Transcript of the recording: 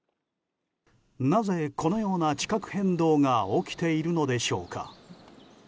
なぜ、このような地殻変動が起きているのでしょうか。